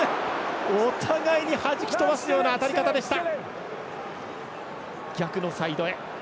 お互いにはじき飛ばすような当たり方でした。